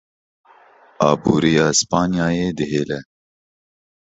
Aboriya Spanyayê dihile.